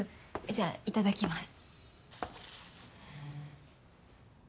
じゃあいただきます。